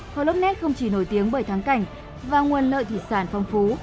hồ lúc nét không chỉ nổi tiếng bởi tháng cảnh và nguồn lợi thịt sản phong phú